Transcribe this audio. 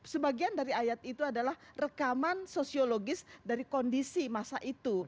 sebagian dari ayat itu adalah rekaman sosiologis dari kondisi masa itu